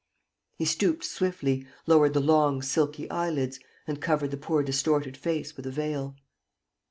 He stooped swiftly, lowered the long, silky eyelids, and covered the poor distorted face with a veil.